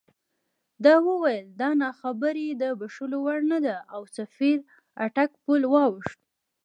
ده وویل دا ناخبري د بښلو وړ نه ده او سفیر اټک پُل واوښت.